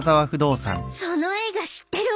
その映画知ってるわ。